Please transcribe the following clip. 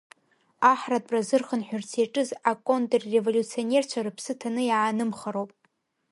Аҳратәра зырхынҳәырц иаҿыз аконтрреволиуционерцәа рыԥсы ҭаны иаанымхароуп…